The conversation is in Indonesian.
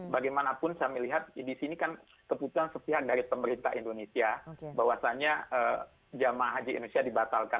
bagaimanapun kami lihat di sini kan keputusan sepihak dari pemerintah indonesia bahwasannya jamaah haji indonesia dibatalkan